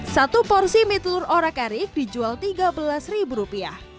satu porsi mie telur orak arik dijual rp tiga belas